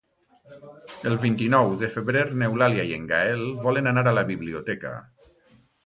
El vint-i-nou de febrer n'Eulàlia i en Gaël volen anar a la biblioteca.